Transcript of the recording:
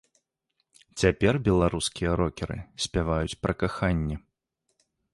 Цяпер беларускія рокеры спяваюць пра каханне.